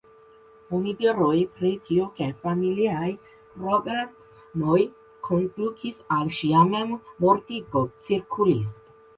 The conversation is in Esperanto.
Onidiroj pri tio ke familiaj problemoj kondukis al ŝia memmortigo cirkulis.